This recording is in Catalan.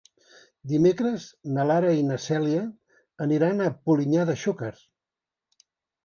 Dimecres na Lara i na Cèlia aniran a Polinyà de Xúquer.